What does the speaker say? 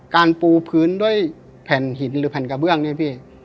การปูพื้นด้วยแผ่นหินหรือแผ่นกระเบื้องเนี่ยพี่